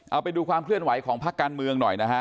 เอาไปดูความเคลื่อนไหวของพักการเมืองหน่อยนะฮะ